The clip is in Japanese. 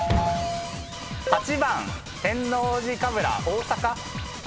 ８番天王寺蕪大阪？